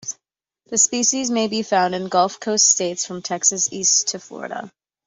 The species may be found in Gulf Coast states from Texas east to Florida.